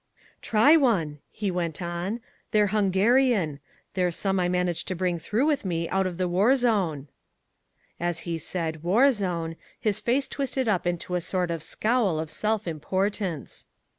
"Try one," he went on, "they're Hungarian. They're some I managed to bring through with me out of the war zone." As he said "war zone," his face twisted up into a sort of scowl of self importance.